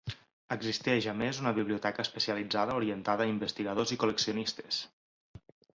Existeix a més una biblioteca especialitzada orientada a investigadors i col·leccionistes.